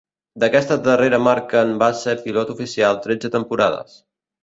D'aquesta darrera marca en va ser pilot oficial tretze temporades.